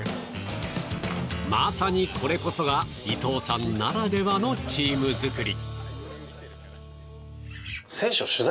まさに、これこそが伊藤さんならではのチーム作り。